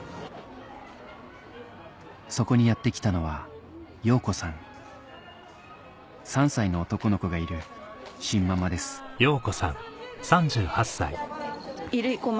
そこにやって来たのは３歳の男の子がいるシンママですでも。